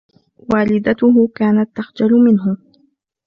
والدتهُ كانت تخجل منهُ.